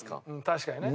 確かにね。